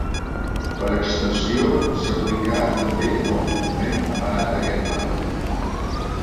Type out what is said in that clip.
Per extensió, s'aplicà també al document emanat d'aquest pacte.